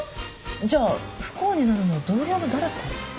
じゃあ不幸になるのは同僚の誰か？